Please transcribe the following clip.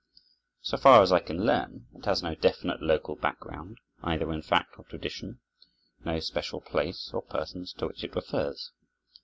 So far as I can learn, it has no definite local background, either in fact or tradition; no special place or persons to which it refers.